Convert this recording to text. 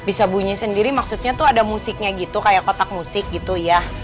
bisa bunyi sendiri maksudnya tuh ada musiknya gitu kayak kotak musik gitu ya